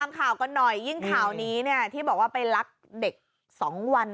ข่าวกันหน่อยยิ่งข่าวนี้เนี่ยที่บอกว่าไปรักเด็ก๒วัน